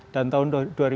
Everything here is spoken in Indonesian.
dan tahun dua ribu dua